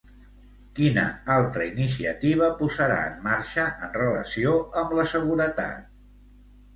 Quina altra iniciativa posarà en marxa en relació amb la seguretat?